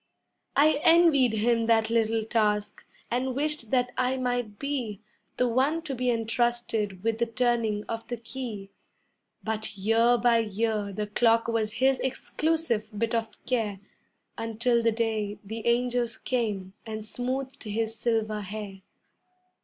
I envied him that little task, and wished that I might be The one to be entrusted with the turning of the key; But year by year the clock was his exclusive bit of care Until the day the angels came and smoothed his silver hair.